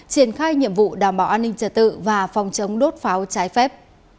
triển khai nhiệm vụ đảm bảo an ninh trật tự và phòng chống đốt pháo trái phép